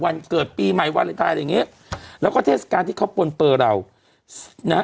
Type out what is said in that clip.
ต่างวันเกิดปีใหม่วันอะไรแบบนี้แล้วก็เทศกาลที่เขาปนเปล่าเรานะ